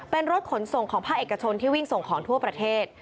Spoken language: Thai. เป็นรถขนส่งของภาคเอกชนที่วิ่งส่งของทั่วประเทศ